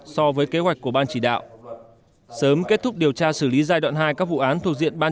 so với kế hoạch của ban chỉ đạo sớm kết thúc điều tra xử lý giai đoạn hai các vụ án thuộc diện ban